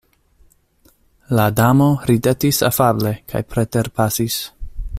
La Damo ridetis afable kaj preterpasis!